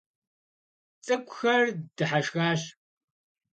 ЦӀыкӀухэр дыхьэшхащ.